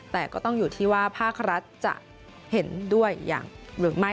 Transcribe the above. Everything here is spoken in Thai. แต่ก็ต้องอยู่ที่ว่าภาครัฐจะเห็นด้วยอย่างหรือไม่